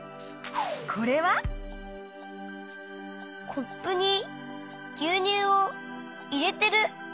コップにぎゅうにゅうをいれてる。